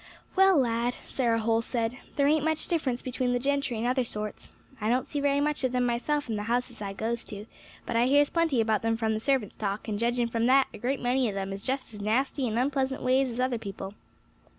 "Well, lad," Sarah Holl said, "there ain't much difference between the gentry and other sorts. I don't see very much of them myself in the houses I goes to, but I hears plenty about them from the servants' talk; and, judging from that, a great many of them 'as just as nasty and unpleasant ways as other people."